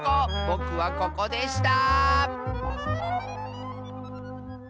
ぼくはここでした！